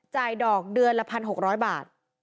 ดอกเดือนละ๑๖๐๐บาท